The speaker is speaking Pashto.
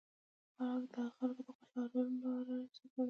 هغه د خلکو د خوشالولو لارې زده کوي.